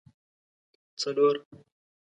څلور